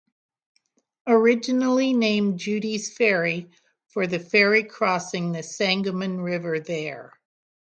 Originally named Judy's Ferry for the ferry crossing the Sangamon River there.